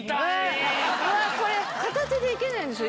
これ片手でいけないんですよ。